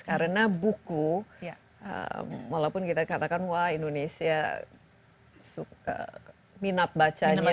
karena buku walaupun kita katakan wah indonesia suka minat bacanya